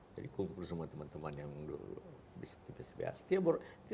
jadi kumpul semua teman teman yang dulu